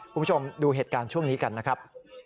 คุณผู้ชมดูเหตุการณ์ช่วงนี้กันนะครับ